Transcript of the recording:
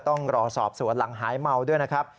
ต้องรอสอบสวนหลังหายเมาด้วยนะครับ